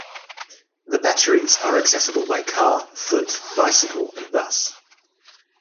The batteries are accessible by car, foot, bicycle, and bus.